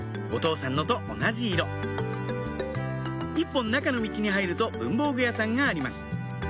お父さんのと同じ色一本中の道に入ると文房具屋さんがあります